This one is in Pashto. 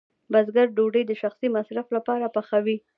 بزګر ډوډۍ د شخصي مصرف لپاره پخوي.